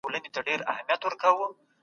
مجاهدین د حق دپاره په مینه وتلي وه.